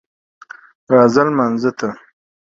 راځه لمانځه ته